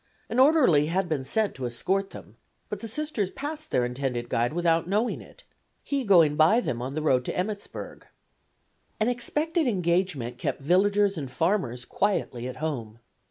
An orderly had been sent to escort them, but the Sisters passed their intended guide without knowing it, he going by them on the road to Emmittsburg. An expected engagement kept villagers and farmers quietly at home.